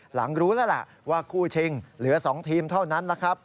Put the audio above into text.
หลังรู้แล้วแหละว่าคู่ชิงเหลือ๒ทีมเท่านั้นนะครับ